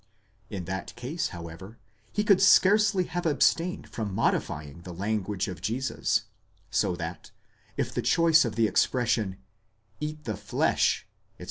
7 In that case, however, he could scarcely have abstained from modifying the language of Jesus; so that, if the choice of the expression eat the flesh, etc.